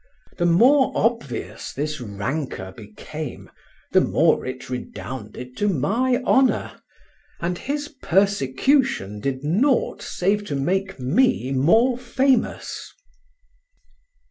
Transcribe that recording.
The more obvious this rancour became, the more it redounded to my honour, and his persecution did nought save to make me more famous.